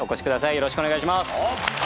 よろしくお願いします。